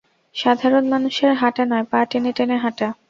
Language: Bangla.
সাধারণ মানুষের হাঁটা নয়, পা টেনে টেনে হাঁটা।